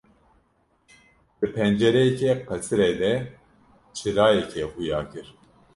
Di pencereke qesirê de çirayekê xuya kir.